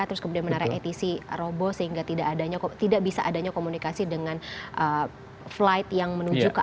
terus kemudian menarik atc robo sehingga tidak bisa adanya komunikasi dengan flight yang menuju ke